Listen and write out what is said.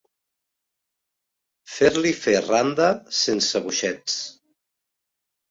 Fer-li fer randa sense boixets.